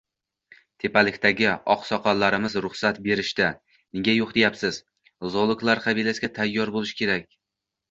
Tepalikdagi oqsoqollarimiz ruxsat berishdi, nega yo'q deyapsiz, zoologlar qabilasiga tayyor bo'lish kerak